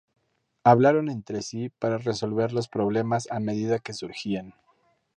Hablaron entre sí para resolver los problemas a medida que surgían.